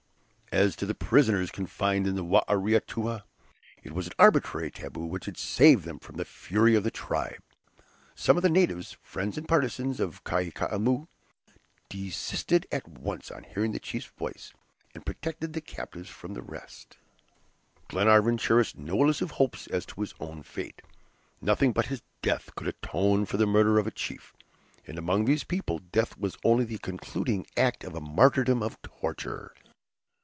As to the prisoners confined in the Ware Atoua, it was an arbitrary taboo which had saved them from the fury of the tribe. Some of the natives, friends and partisans of Kai Koumou, desisted at once on hearing their chief's voice, and protected the captives from the rest. Glenarvan cherished no illusive hopes as to his own fate; nothing but his death could atone for the murder of a chief, and among these people death was only the concluding act of a martyrdom of torture.